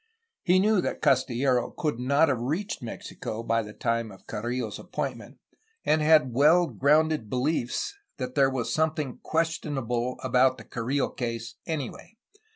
He knew that Castillero could not have reached Mexico by the time of Carrillo's appointment, and had well grounded beUefs that there was something questionable about the Carrillo case, anyway.